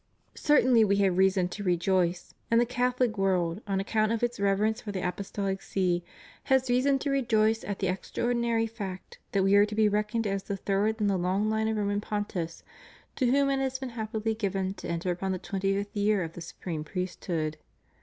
Certainly We have reason to rejoice, and the Catholic world, on account of its reverence for the Apostolic See, has reason to rejoice at the extraordinary fact that We are to be reckoned as the third in the long line of Roman Pontiffs to whom it has been happily given to enter upon the twenty fifth year of the Supreme Priesthood.